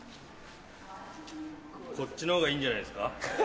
こっちの方がいいんじゃないんですか？